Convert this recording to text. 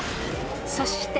そして。